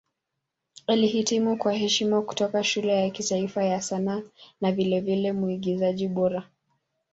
Alihitimu kwa heshima kutoka Shule ya Kitaifa ya Sanaa na vilevile Mwigizaji Bora.